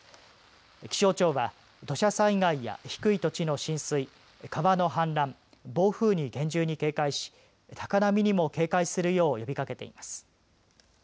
気象庁は土砂災害や低い土地の浸水、川の氾濫、暴風に厳重に警戒し高波にも警戒するよう呼びかけています。